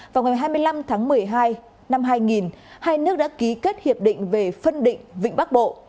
vào ngày hai mươi năm tháng một mươi hai năm hai nghìn hai nước đã ký kết hiệp định về phân định vịnh bắc bộ